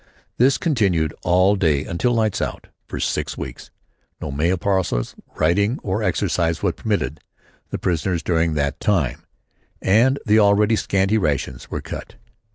This continued all day until "Lights out." For six weeks. No mail, parcels, writing or exercise was permitted the prisoners during that time, and the already scanty rations were cut.